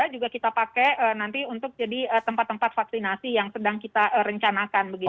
juga kita pakai nanti untuk jadi tempat tempat vaksinasi yang sedang kita rencanakan